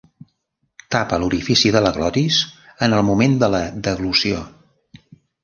Tapa l'orifici de la glotis en el moment de la deglució.